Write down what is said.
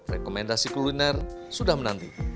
rekomendasi kuliner sudah menanti